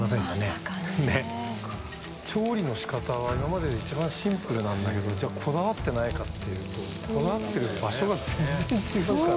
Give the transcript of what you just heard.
調理の仕方は今までで一番シンプルなんだけどじゃあこだわってないかっていうとこだわってる場所が全然違うから。